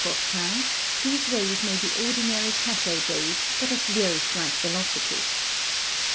Fortin these rays may be ordinary cathode rays, but of very slight velocity.